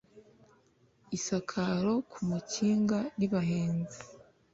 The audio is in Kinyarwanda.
isakaro kuwukinga birahenze